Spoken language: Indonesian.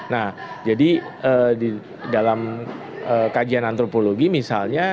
nah jadi di dalam kajian antropologi misalnya